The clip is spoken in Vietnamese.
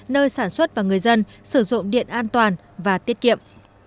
nơi sản xuất và người dân sử dụng điện an toàn và tiết kiệm